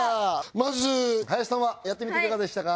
まず林さんはやってみていかがでしたか？